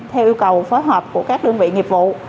theo yêu cầu phối hợp của các đơn vị nghiệp vụ